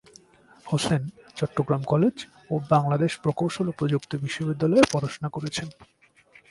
Hossain Chittagong college ও বাংলাদেশ প্রকৌশল ও প্রযুক্তি বিশ্ববিদ্যালয়ে পড়াশোনা করেছেন।